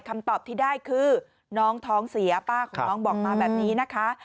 คำตอบที่ได้คือน้องท้องเสียป้าของน้องบอกมาแบบนี้นะคะ